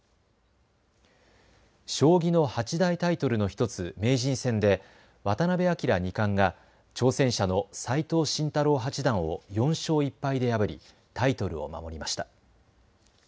将棋の八大タイトルの１つ名人戦で渡辺明二冠が挑戦者の斎藤慎太郎八段を４勝１敗で破りタイトルを守りました。